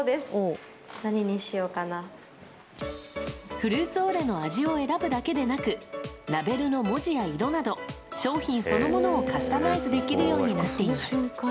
フルーツオレの味を選ぶだけでなくラベルの文字や色など商品そのものをカスタマイズできるようになっています。